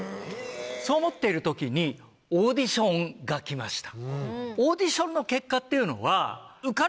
そう思っている時にオーディションが来ました。